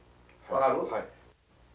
はい。